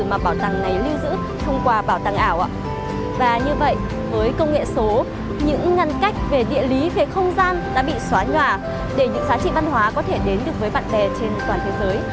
và như vậy với công nghệ số những ngăn cách về địa lý về không gian đã bị xóa nhòa để những giá trị văn hóa có thể đến được với bạn bè trên toàn thế giới